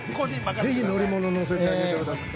ぜひ乗り物に乗せてあげてください。